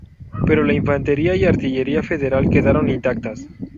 Pero la infantería y artillería federal quedaron intactas.